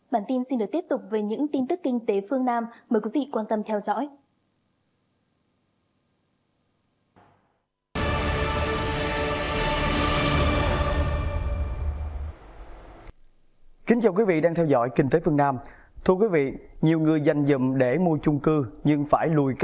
bản tin xin được tiếp tục với những tin tức kinh tế phương nam mời quý vị quan tâm theo dõi